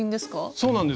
そうなんです。